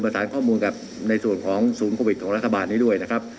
สารข้อมูลกับในส่วนของศูนย์โควิดของรัฐบาลนี้ด้วยนะครับ